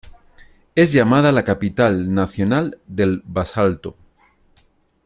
Es llamada la capital nacional del basalto.